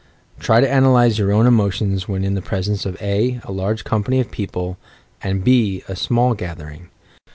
Try to analyse your own emotions when in the presence of (a) a large company of people, and (b) a small gathering.